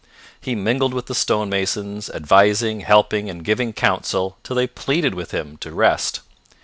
He mingled with the stone masons, advising, helping, and giving counsel, till they pleaded with him to rest.